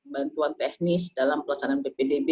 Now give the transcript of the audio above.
bantuan teknis dalam pelaksanaan ppdb